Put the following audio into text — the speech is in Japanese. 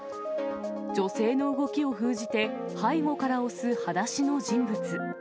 女性の動きを封じて背後から押すはだしの人物。